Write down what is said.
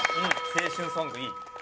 青春ソングいい。